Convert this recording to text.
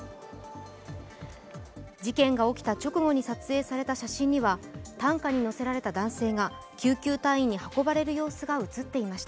事件が起きた直後に撮影された写真には担架に乗せられた男性が救急隊員に運ばれる様子が写っていました。